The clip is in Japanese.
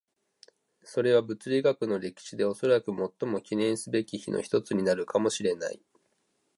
それは物理学の歴史でおそらく最も記念すべき日の一つになるかもしれない。